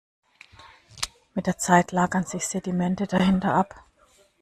Mit der Zeit lagern sich Sedimente dahinter ab.